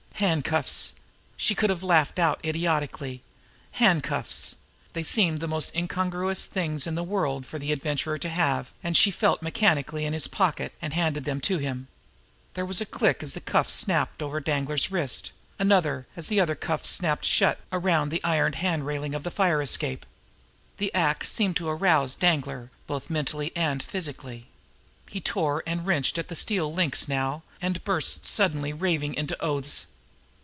Handcuffs! She could have laughed out idiotically. Handcuffs! They seemed the most incongruous things in the world for the Adventurer to have, and She felt mechanically in his pocket, and handed them to him. There was a click as a cuff was snapped over Danglar's wrist, another as the other cuff was snapped shut around the iron hand railing of the fire escape. The act seemed to arouse Danglar, both mentally and physically. He tore and wrenched at the steel links now, and burst suddenly, raving, into oaths.